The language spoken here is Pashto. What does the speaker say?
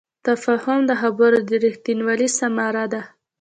تفاهم د خبرو د رښتینوالي ثمره ده.